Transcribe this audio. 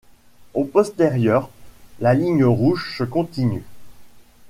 Aux postérieures la ligne rouge se continue.